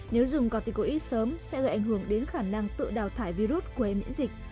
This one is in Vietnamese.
nếu dùng corticoid sớm sẽ gây ảnh hưởng đến khả năng tự đào thải virus của hệ miễn dịch